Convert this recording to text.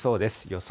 予想